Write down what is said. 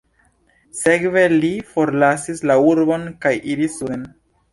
Sekve li forlasis la urbon kaj iris suden.